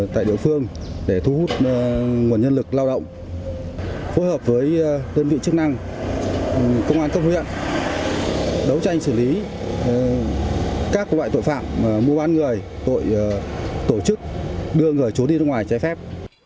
tại địa phương để thu hút nguồn nhân lực lao động phối hợp với đơn vị chức năng công an cấp huyện đấu tranh xử lý các loại tội phạm mua bán người tội tổ chức đưa người trốn đi nước ngoài trái phép